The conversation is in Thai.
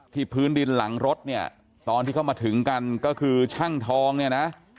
พื้นดินหลังรถเนี่ยตอนที่เข้ามาถึงกันก็คือช่างทองเนี่ยนะ